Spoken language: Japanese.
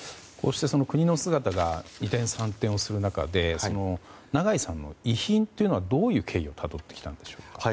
国の姿が二転三転する中で長井さんの遺品はどういう経緯をたどってきたんでしょうか。